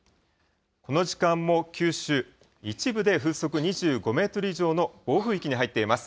この時間も九州、一部で風速２５メートル以上の暴風域に入っています。